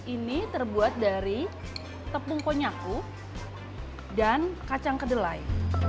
ini terbuat dari tepung konyaku dan kacang kedelai